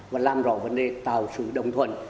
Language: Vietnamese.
và làm rõ vấn đề tạo sự đồng thuận